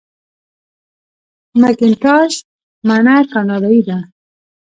مکینټاش مڼه کاناډايي ده.